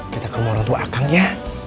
kita ke morontua akang ya